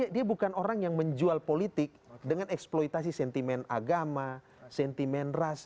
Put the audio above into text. dia bukan orang yang menjual politik dengan eksploitasi sentimen agama sentimen ras